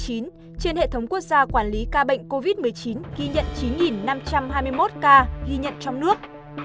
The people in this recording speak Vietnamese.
trên hệ thống quốc gia quản lý ca bệnh covid một mươi chín ghi nhận chín năm trăm hai mươi một ca ghi nhận trong nước